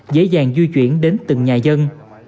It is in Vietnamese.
dễ dàng di chuyển đến từng nhà dân